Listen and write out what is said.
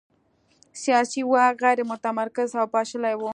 سیاسي واک غیر متمرکز او پاشلی و.